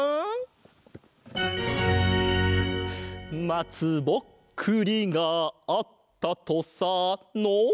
「まつぼっくりがあったとさ」の。